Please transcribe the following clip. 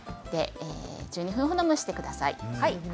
１２分ほど蒸してください。